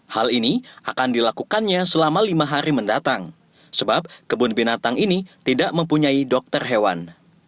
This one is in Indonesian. hal ini akan dilakukannya selama lima hari mendatang sebab kebun binatang ini tidak mempunyai dokter hewan